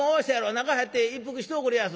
中入って一服しておくれやす」。